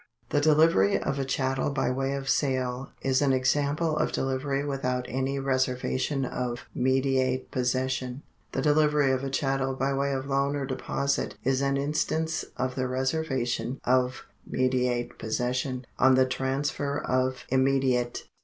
The delivery of a chattel by way of sale is an example of delivery without any reserva tion of mediate possession ; the delivery of a chattel by way of loan or deposit is an instance of the reservation of mediate possession on the transfer of immediate.